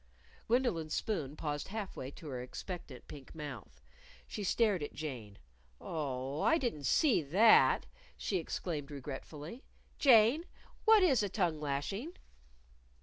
Gwendolyn's spoon paused half way to her expectant pink mouth. She stared at Jane. "Oh, I didn't see that," she exclaimed regretfully. "Jane, what is a tongue lashing?"